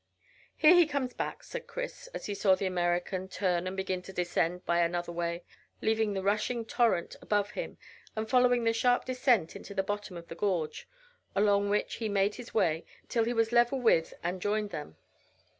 "Here he comes back," said Chris, as he saw the American turn and begin to descend by another way, leaving the rushing torrent above him and following the sharp descent into the bottom of the gorge, along which he made his way till he was level with and joined them.